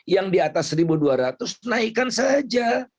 yang di atas seribu dua ratus naikkan saja